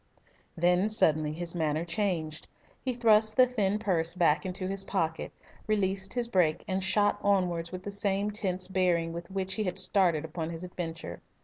Then suddenly his manner changed. He thrust the thin purse back into his pocket, released his brake, and shot onwards with the same tense bearing with which he had started upon his adventure.